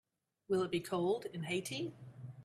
Will it be cold in Haiti?